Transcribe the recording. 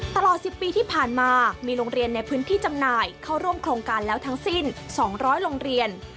ตลอด๑๐ปีที่ผ่านมามีโรงเรียนในพื้นที่จำหน่ายเข้าร่วมโครงการแล้วทั้งสิ้น๒๐๐โรงเรียน